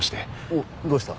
おおどうした？